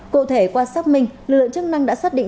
cụ thể qua xác minh lực lượng chức năng đã xác định